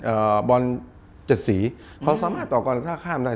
บอลเจ็ดสีเขาสามารถต่อกรท่าข้ามได้